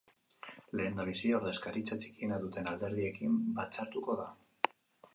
Lehendabizi, ordezkaritza txikiena duten alderdiekin batzartuko da.